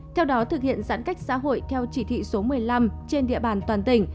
theo đó thực hiện giãn cách xã hội theo chỉ thị số một mươi năm trên địa bàn toàn tỉnh